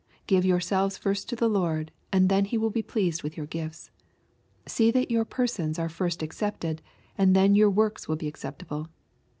— Give yourselves first to the Lord, and then He will be pleased with your gifts. See that your persons are first accepted, and then your works wiil be acceptable.